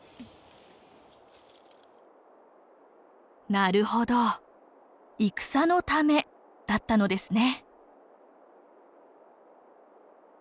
なるほど戦のためだったのですね。